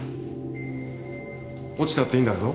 落ちたっていいんだぞ。